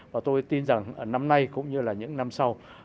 và tôi tin rằng năm nay cũng như là những năm sau